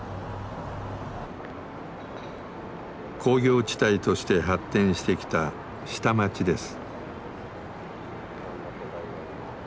工業地帯として発展してきた下町です。